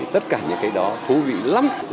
tất cả những cái đó thú vị lắm